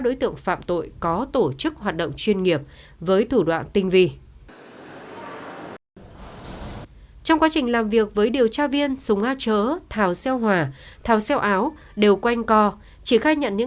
đối tượng không có quyền bà không có quyền bà doanh nhân thuật xếp cho đồng thời